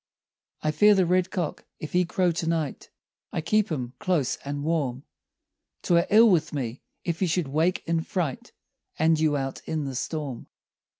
I fear the red cock—if he crow to night— I keep him close and warm, 'Twere ill with me, if he should wake in fright And you out in the storm.